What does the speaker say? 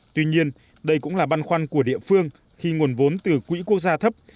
tuy nhiên đây cũng là băn khoăn của địa phương khi nguồn vốn từ quỹ quốc gia thấp